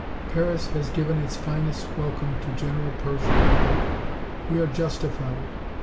"Paris has given its finest welcome to General Pershing," he wrote. "We are justified.